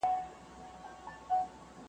د غوايي په څېر مي غټي پښې لرلای .